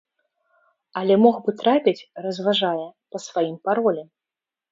Але мог бы трапіць, разважае, па сваім паролі.